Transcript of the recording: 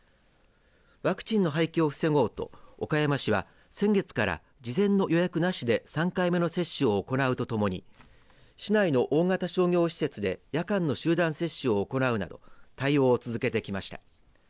ワクチンの廃棄を防ごうと岡山市は先月から事前の予約なしで３回目の接種を行うとともに市内の大型商業施設で夜間の集団接種を行うなど対応を続けてきました。